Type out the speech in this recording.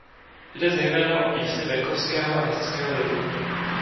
Jde zejména o písně venkovského a městského lidu.